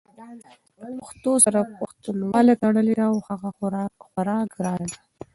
د پښتو سره پښتنواله تړلې ده او هغه خورا ګرانه ده!